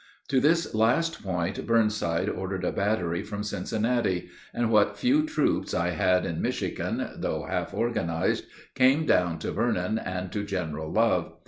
To this last point Burnside ordered a battery from Cincinnati; and what few troops I had in Michigan, though half organized, came down to Vernon and to General Love.